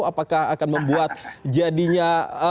apakah akan membuat jadinya